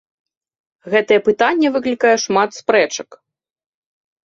Гэта пытанне выклікае шмат спрэчак.